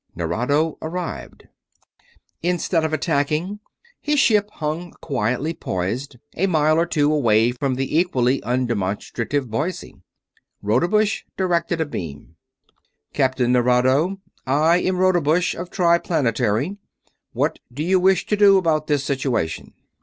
Nerado arrived. Instead of attacking, his ship hung quietly poised, a mile or two away from the equally undemonstrative Boise. Rodebush directed a beam. "Captain Nerado, I am Rodebush of Triplanetary. What do you wish to do about this situation?"